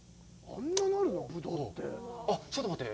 あっ、ちょっと待って。